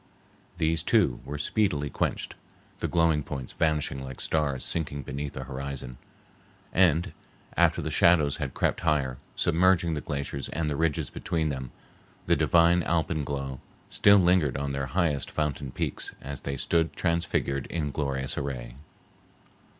These, too, were speedily quenched, the glowing points vanishing like stars sinking beneath the horizon. And after the shadows had crept higher, submerging the glaciers and the ridges between them, the divine alpenglow still lingered on their highest fountain peaks as they stood transfigured in glorious array.